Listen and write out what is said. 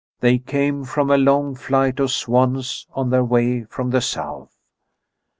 They came from a long flight of swans on their way from the south.